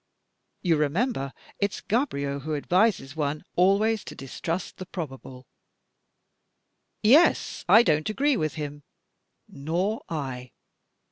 You remember it's Gaboriau who advises one always to distrust the probable?" "Yes. I don't agree with him." "Nor I."